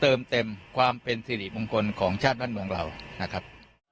เติมเต็มความเป็นสิริมงคลของชาติบ้านเมืองเรานะครับ